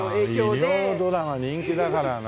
医療ドラマ人気だからな。